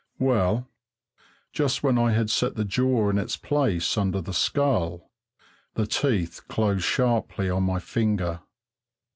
Well, just when I had set the jaw in its place under the skull, the teeth closed sharply on my finger.